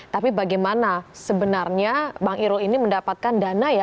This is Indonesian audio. tapi bagaimana sebenarnya bang irul ini mendapatkan dana ya